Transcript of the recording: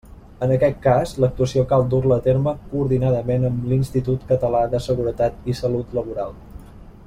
En aquest cas, l'actuació cal dur-la a terme coordinadament amb l'Institut Català de Seguretat i Salut Laboral.